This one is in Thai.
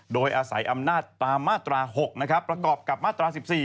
โดยอาศัยอำนาจตามมาตรา๖นะครับประกอบกับมาตรา๑๔